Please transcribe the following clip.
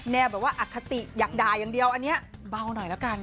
แบบว่าอคติอยากด่าอย่างเดียวอันนี้เบาหน่อยละกัน